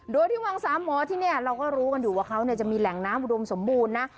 โดยที่วังสามหมอที่นี่เราก็รู้กันอยู่ว่าเขาจะมีแหล่งน้ำอุดมสมบูรณ์นะ